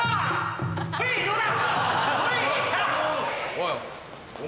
おい。